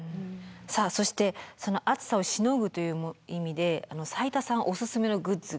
さあそして暑さをしのぐという意味で斉田さんおすすめのグッズ